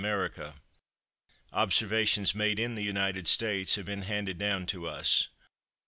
America. Observations made in the United States have been handed down to us.